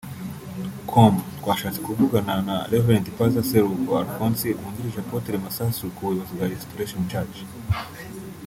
com twashatse kuvugana na Rev Pastor Seruhuko Alphonse wungirije Apotre Masasu ku buyobozi bwa Restoration church